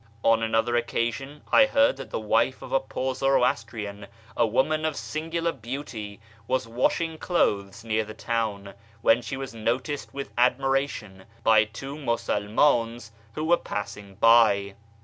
On another occasion I heard that the wife of a poor Zoroastrian, a woman of singular beauty, was washing clothes near the town, when she was noticed with admiration by two Musulmans who were passing by.